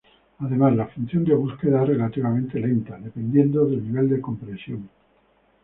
Además, la función de búsqueda es relativamente lenta dependiendo del nivel de compresión.